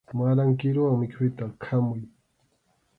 Maran kiruwan mikhuyta khamuy.